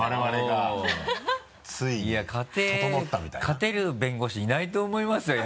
勝てる弁護士いないと思いますよ